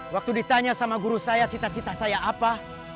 waktu ditanya sama guru saya cita cita saya apa